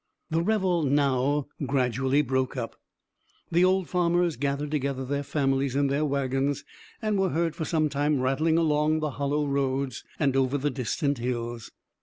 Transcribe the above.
The revel now gradually broke up. The old farmers gathered together their families in their wagons, and were heard for some time rattling along the hollow roads, and over the distant hills.